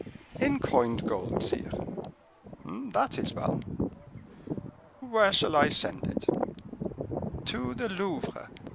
"In coined gold, sire." "That is well." "Where shall I send it?" "To the Louvre.